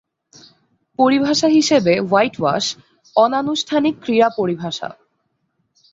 পরিভাষা হিসেবে হোয়াইটওয়াশ অনানুষ্ঠানিক ক্রীড়া পরিভাষা।